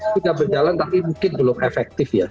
sudah berjalan tapi mungkin belum efektif ya